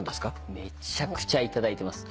めちゃくちゃいただいてます。